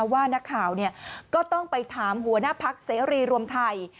ว่านักข่าวก็ต้องไปถามหัวหน้าพักเสรีรวมไทย